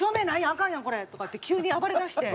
アカンやんこれ」とかって急に暴れだして。